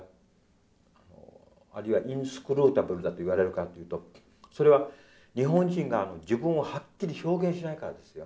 あるいはｉｎｓｃｒｕｔａｂｌｅだと言われるかっていうとそれは日本人が自分をはっきり表現しないからですよ。